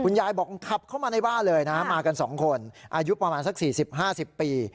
คุณยายบอกเขาขับเข้ามาในบ้านเลยนะฮะมากันสองคนอายุประมาณสักสี่สิบห้าสิบปี